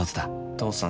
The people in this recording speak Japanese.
父さん